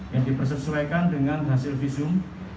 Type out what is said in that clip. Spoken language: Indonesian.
yang dipersesuaikan dengan hasil visum